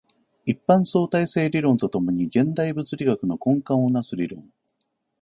一般相対性理論と共に現代物理学の根幹を成す理論